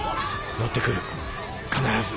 乗って来る必ず。